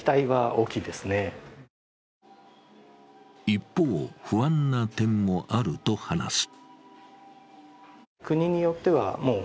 一方、不安な点もあると話す。